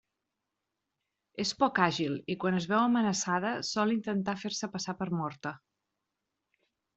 És poc àgil, i quan es veu amenaçada sol intentar fer-se passar per morta.